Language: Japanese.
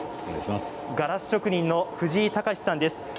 ガラス職人の藤井隆さんです。